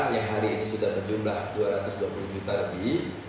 yang hari ini sudah berjumlah dua ratus dua puluh juta lebih